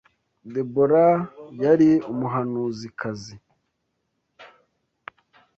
Debora yari umuhanuzikazi.